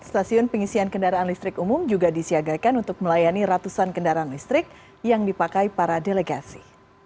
stasiun pengisian kendaraan listrik umum juga disiagakan untuk melayani ratusan kendaraan listrik yang dipakai para delegasi